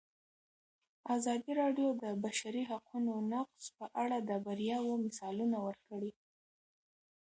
ازادي راډیو د د بشري حقونو نقض په اړه د بریاوو مثالونه ورکړي.